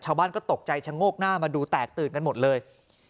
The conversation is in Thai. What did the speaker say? ชาวบ้านก็ตกใจชะโงกหน้ามาดูแตกตื่นกันหมดเลย